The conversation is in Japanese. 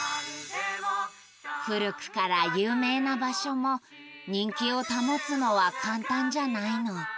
古くから有名な場所も人気を保つのは簡単じゃないの。